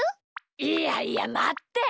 いやいやまって！